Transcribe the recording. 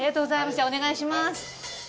じゃお願いします。